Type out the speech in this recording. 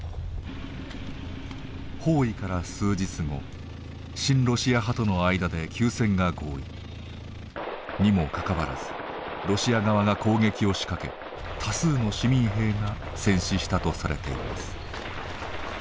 包囲から数日後親ロシア派との間で休戦が合意。にもかかわらずロシア側が攻撃を仕掛け多数の市民兵が戦死したとされています。